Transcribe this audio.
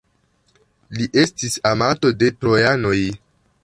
Li estis amato de trojanoj.